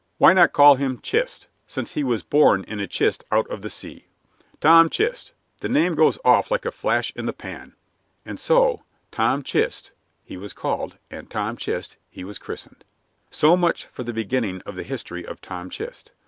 "Why not call him 'Chist,' since he was born in a chist out of the sea? 'Tom Chist' the name goes off like a flash in the pan." And so "Tom Chist" he was called and "Tom Chist" he was christened. So much for the beginning of the history of Tom Chist.